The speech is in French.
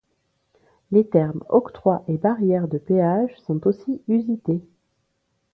Les termes octroi et barrière de péage sont aussi usités.